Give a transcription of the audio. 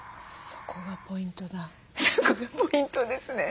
そこがポイントですね。